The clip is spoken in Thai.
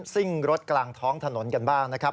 ซิ่งรถกลางท้องถนนกันบ้างนะครับ